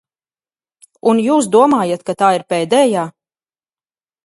Un jūs domājat, ka tā ir pēdējā?